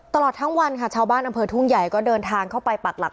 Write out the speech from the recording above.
ตลอดทั้งวันค่ะชาวบ้านอำเภอทุ่งใหญ่ก็เดินทางเข้าไปปักหลัก